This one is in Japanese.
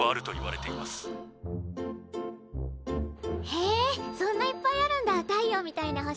へえそんないっぱいあるんだ太陽みたいな星。